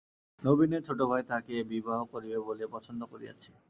নবীনের ছোটো ভাই তাকে বিবাহ করিবে বলিয়া পছন্দ করিয়াছে।